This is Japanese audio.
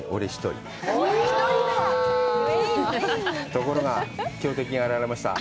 ところが、強敵が現れました。